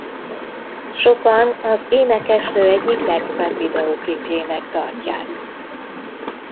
Sokan az énekesnő egyik legszebb videóklipjének tartják.